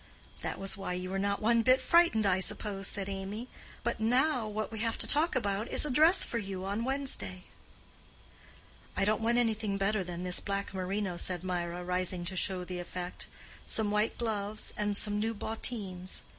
"That was why you were not one bit frightened, I suppose," said Amy. "But now, what we have to talk about is a dress for you on Wednesday." "I don't want anything better than this black merino," said Mirah, rising to show the effect. "Some white gloves and some new bottines."